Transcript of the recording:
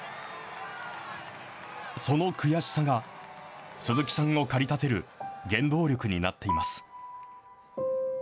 その悔しさが、鈴木さんを駆り立てる原動力になっています。